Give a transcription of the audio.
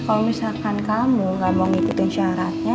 kalau misalkan kamu gak mau ngikutin syaratnya